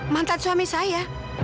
mantan suami saya